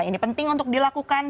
ini penting untuk dilakukan